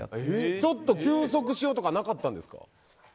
ちょっと休息しようとかなかったんですか。